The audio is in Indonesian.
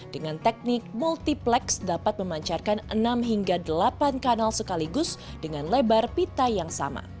dengan teknik multiplex dapat memancarkan enam hingga delapan kanal sekaligus dengan lebar pita yang sama